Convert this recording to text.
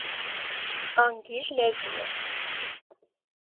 Անգիր լեզու է։